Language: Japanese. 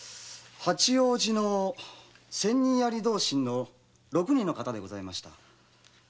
八王子の「千人槍同心」の六人の方でございました。